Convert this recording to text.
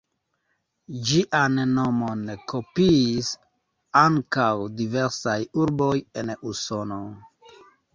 Ĝian nomon kopiis ankaŭ diversaj urboj en Usono.